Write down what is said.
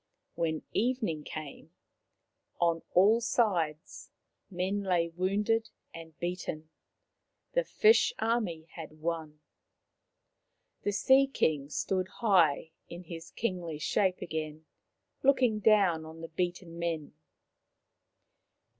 When evening came, on all sides men lay wounded and beaten ; the fish army had won. The Sea king stood high in his kingly shape again, looking down on the beaten men.